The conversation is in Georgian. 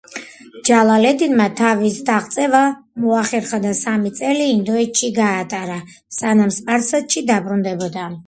ჯალალედინმა თავის დაღწევა მოახერხა და სამი წელი ინდოეთში გაატარა, სანამ სპარსეთში დაბრუნდებოდა.